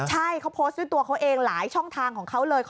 ใช่เขาโพสต์ด้วยตัวเขาเองหลายช่องทางของเขาเลย